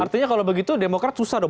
artinya kalau begitu demokrat susah dong